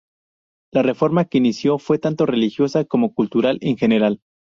La reforma que inició fue tanto religiosa como cultural en general.